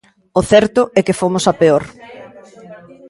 O certo é que fomos a peor.